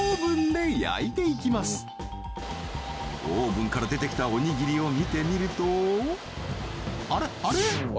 オーブンから出てきたおにぎりを見てみるとあれっあれ！？